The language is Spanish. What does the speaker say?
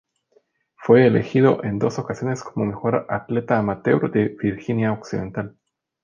Fue elegido en dos ocasiones como mejor atleta amateur de Virginia Occidental.